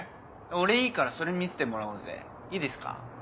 俺いいからそれ見せてもらおうぜいいですか？